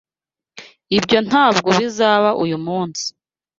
Ibyo ntabwo bizaba uyu munsi.